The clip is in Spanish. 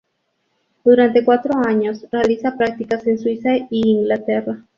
Durante cuatro años realiza prácticas en Suiza y Inglaterra.